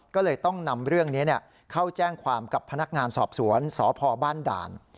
ก็เลยต้องนำเรื่องนี้เข้าแจ้งความกับพนักงานสอบสวนสพบ้านด่าน